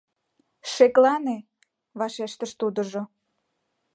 Шеклане! — вашештыш тудыжо.